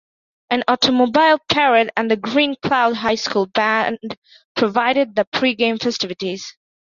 An automobile parade and the Red Cloud High School band provided the pregame festivities.